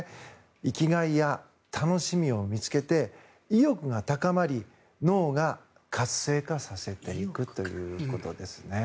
生きがいや楽しみを見つけて意欲が高まり脳を活性化させていくということですね。